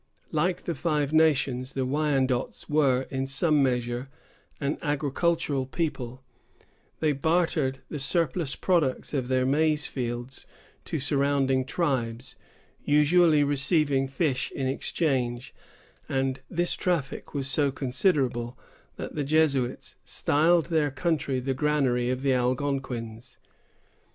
Like the Five Nations, the Wyandots were in some measure an agricultural people; they bartered the surplus products of their maize fields to surrounding tribes, usually receiving fish in exchange; and this traffic was so considerable, that the Jesuits styled their country the Granary of the Algonquins.